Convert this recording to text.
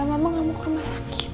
mama gak mau ke rumah sakit